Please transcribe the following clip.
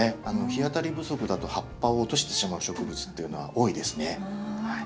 日当たり不足だと葉っぱを落としてしまう植物っていうのは多いですね。